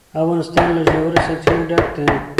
افغانستان له ژورې سرچینې ډک دی.